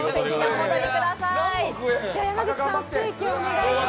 山口さん、ステーキお願いします。